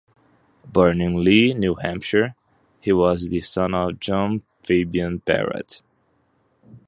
Born in Lee, New Hampshire, he was the son of John Fabyan Parrott.